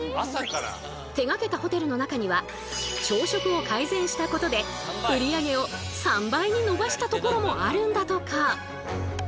手がけたホテルの中には朝食を改善したことで売り上げを３倍に伸ばしたところもあるんだとか！